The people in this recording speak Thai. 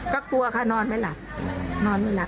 ก็กลัวค่ะนอนไม่หลับนอนไม่หลับ